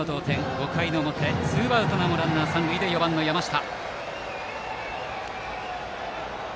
５回の表、ツーアウトランナー、三塁で４番の山下。